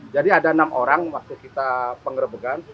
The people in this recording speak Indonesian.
jadi ada enam orang waktu kita penggerbegan